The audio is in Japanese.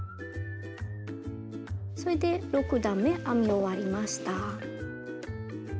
それで６段め編み終わりました。